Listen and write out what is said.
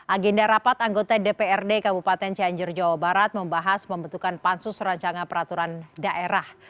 agenda rapat anggota dprd kabupaten cianjur jawa barat membahas pembentukan pansus rancangan peraturan daerah